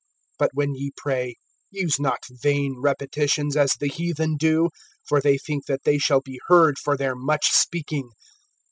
(7)But when ye pray, use not vain repetitions, as the heathen do; for they think that they shall be heard for their much speaking.